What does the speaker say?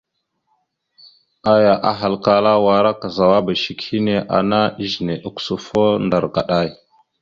Aya ahalkala: « Wara kazawaba shek hine ana ezine ogǝsufo ndar kaɗay ».